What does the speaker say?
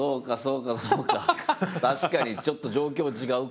確かにちょっと状況違うか。